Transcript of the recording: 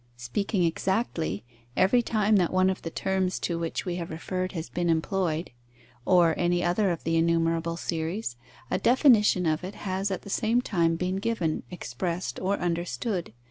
Speaking exactly, every time that one of the terms to which we have referred has been employed, or any other of the innumerable series, a definition of it has at the same time been given, expressed or understood.